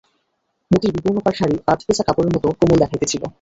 মতির বিবর্ণপাড় শাড়ি আধভেজা কাপড়ের মতো কোমল দেখাইতেছিল।